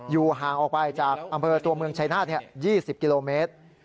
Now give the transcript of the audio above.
ห่างออกไปจากอำเภอตัวเมืองชายนาฏ๒๐กิโลเมตร